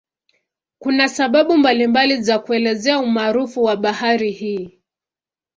Kuna sababu mbalimbali za kuelezea umaarufu wa bahari hii.